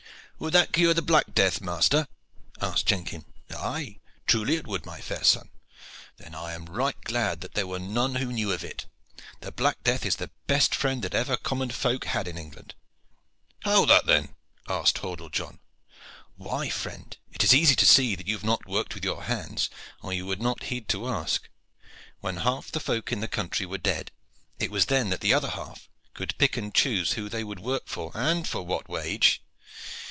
"Would that cure the black death, master?" asked Jenkin. "Aye, truly would it, my fair son." "Then I am right glad that there were none who knew of it. The black death is the best friend that ever the common folk had in England." "How that then?" asked Hordle John. "Why, friend, it is easy to see that you have not worked with your hands or you would not need to ask. When half the folk in the country were dead it was then that the other half could pick and choose who they would work for, and for what wage.